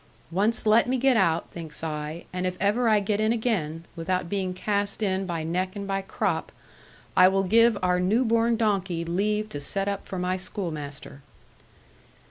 Once let me get out, thinks I, and if ever I get in again, without being cast in by neck and by crop, I will give our new born donkey leave to set up for my schoolmaster.